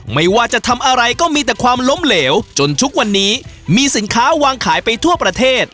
ไม่ว่าจะทำอะไรก็มีแต่ความล้มเหลวจนทุกวันนี้มีสินค้าวางขายไปทั่วประเทศ